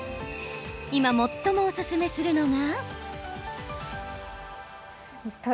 今、最もおすすめするのが。